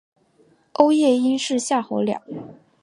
欧夜鹰是夏候鸟。